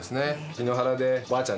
檜原で、おばあちゃん